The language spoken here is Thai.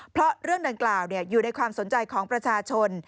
เพราะเรื่องดังกล่าวอยู่ในความสนใจของประชาชน